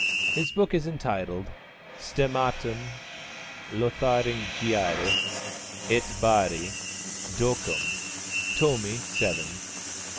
His book is entitled _Stemmatum Lotharingiae et Barri ducum, Tomi VII.